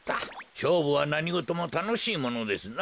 しょうぶはなにごともたのしいものですな。